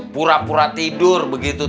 pura pura tidur begitu